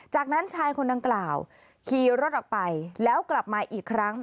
จากนั้นชายคนดังกล่าวขี่รถออกไปแล้วกลับมาอีกครั้ง